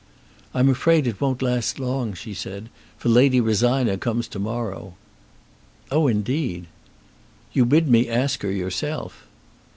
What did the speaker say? "I'm afraid it won't last long," she said, "for Lady Rosina comes to morrow." "Oh, indeed." "You bid me ask her yourself."